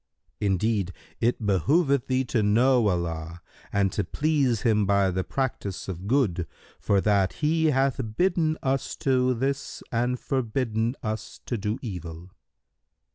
Indeed, it behoveth thee to know Allah and to please Him by the practice of good, for that He hath bidden us to this and forbidden us to do evil."